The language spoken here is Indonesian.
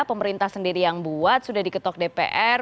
pemerintah sendiri yang buat sudah diketok dpr